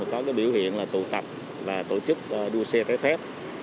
có biểu hiện là tụ tập và tổ chức đua xe trái phép